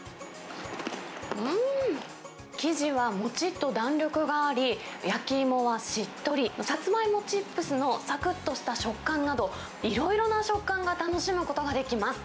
うーん、生地はもちっと弾力があり、焼き芋はしっとり、さつまいもチップスのさくっとした食感など、いろいろな食感が楽しむことができます。